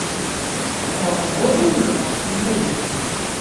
Праўда, копію мне так і не далі.